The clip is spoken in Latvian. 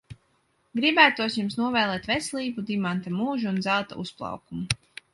Gribētos jums novēlēt veselību, dimanta mūžu un zelta uzplaukumu.